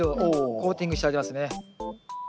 コーティングしてありますね。